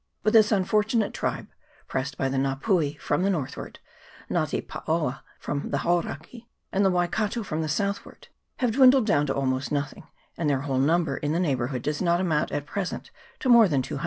But this unfortunate tribe, pressed by the Nga pui from the northward, the Nga te paoa from the Hauraki, and the Waikato from the southward, have dwindled down almost to nothing, and their whole number in the neighbourhood does not amount at present to more than 200.